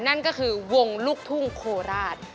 นั่นก็คือวงลูกทุ่งโคราช